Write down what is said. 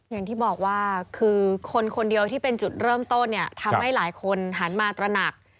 อย่างที่บอกว่าคือคนคนเดียวที่เป็นจุดเริ่มต้นเนี่ยทำให้หลายคนหันมาตระหนัก